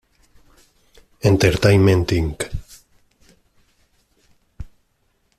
Entertainment, Inc.